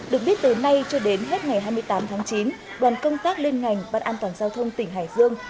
được biết từ nay cho đến hết ngày hai mươi tám tháng chín đoàn công tác liên ngành ban an toàn giao thông tỉnh hải dương